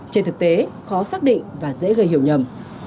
trên thực tế khó xác định và dễ gây hiểu nhầm